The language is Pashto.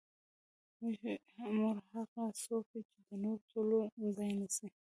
مور هغه څوک ده چې د نورو ټولو ځای نیسي.